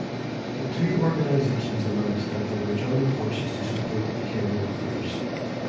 The two organisations announced that they were joining forces to support the care workforce.